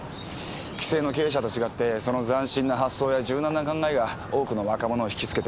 既成の経営者と違ってその斬新な発想や柔軟な考えが多くの若者を引き付けてるって。